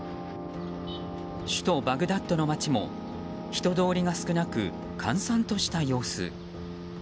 首都バグダッドの街も人通りが少なく閑散とした様子。